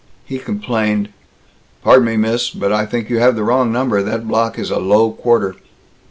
He complained, "Pardon me, miss, but I think you have the wrong number. That block is a low quarter."